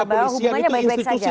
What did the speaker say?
bahwa hubungannya baik baik saja